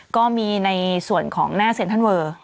ก็มีในส่วนของหน้าเซ็นทรัลเวอร์